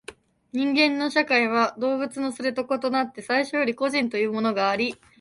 人間の社会は動物のそれと異なって最初より個人というものがあり、